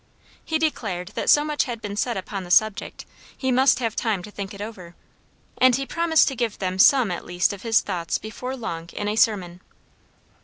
He declared that so much had been said upon the subject, he must have time to think it over; and he promised to give them some at least of his thoughts before long in a sermon.